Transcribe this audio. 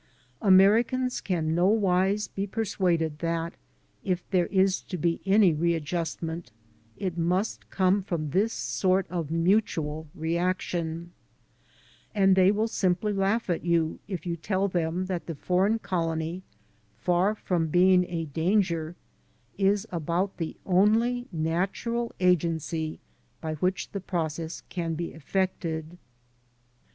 Americans can nowise be persuaded that, if there is to be any readjustment, it must come from this sort of mutual reaction; and they will simply laugh at you if you teU them that the foreign colony, far from being a danger, is about the only natural agency by which the process can be eflfected.